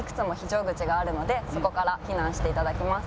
そこから避難して頂きます。